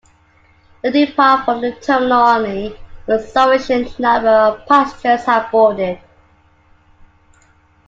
They depart from the terminal only when a sufficient number of passengers have boarded.